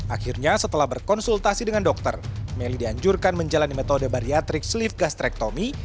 akhirnya setelah berkonsultasi dengan dokter melly dianjurkan menjalani metode bariatrik sleeve gastrectomy